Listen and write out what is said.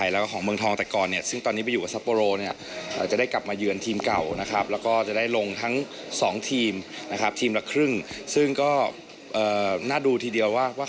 แล้วก็จะได้ลงทั้ง๒ทีมทีมละครึ่งซึ่งก็น่าดูทีเดียวว่า